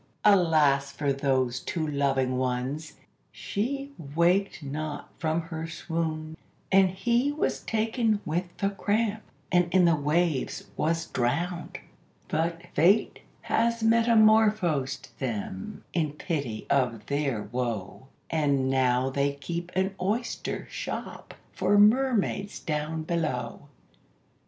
Alas for those two loving ones! she waked not from her swound, And he was taken with the cramp, and in, the waves was drowned; But Fate has metamorphosed them, in pity of their wo, And now they keep an oyster shop for mermaids down below.